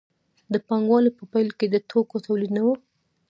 د پانګوالۍ په پیل کې د توکو تولید نه و.